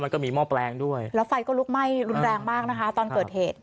มันก็มีหม้อแปลงด้วยแล้วไฟก็ลุกไหม้รุนแรงมากนะคะตอนเกิดเหตุ